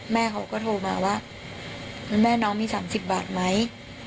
แม่เขาก็โทรมาว่าแม่น้องมี๓๐บาทไหม